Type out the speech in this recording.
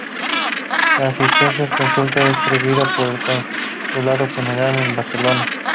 La asistencia consular es provista por el Consulado General en Barcelona.